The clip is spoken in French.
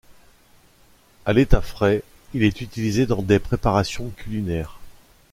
À l'état frais il est utilisé dans des préparations culinaires.